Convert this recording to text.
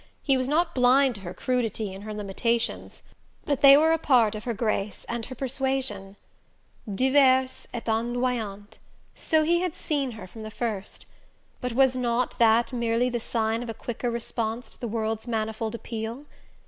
He was not blind to her crudity and her limitations, but they were a part of her grace and her persuasion. Diverse et ondoyante so he had seen her from the first. But was not that merely the sign of a quicker response to the world's manifold appeal?